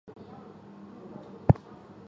任刑部山西司主事。